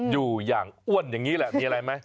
อยู่อย่างอ้วนอย่างนี้แหละมีอะไรไหม